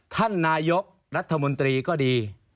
ท่านนายกรัฐมนตรีก็ดี